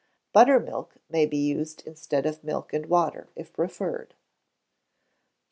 Buttermilk may be used instead of milk and water, if preferred. 2100.